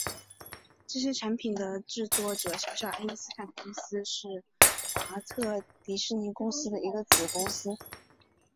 这些产品的制作者小小爱因斯坦公司是华特迪士尼公司的一个子公司。